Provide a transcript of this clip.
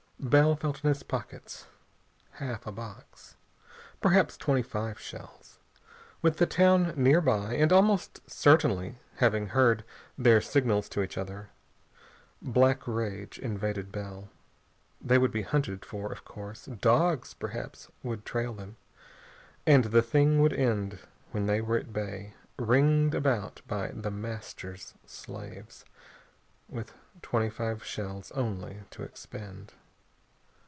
Bell felt in his pockets. Half a box. Perhaps twenty five shells. With the town nearby and almost certainly having heard their signals to each other. Black rage invaded Bell. They would be hunted for, of course. Dogs, perhaps, would trail them. And the thing would end when they were at bay, ringed about by The Master's slaves, with twenty five shells only to expend.